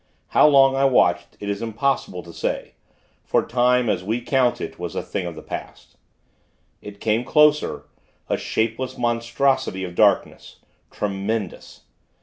How long I watched, it is impossible to say; for time, as we count it, was a thing of the past. It came closer, a shapeless monstrosity of darkness tremendous.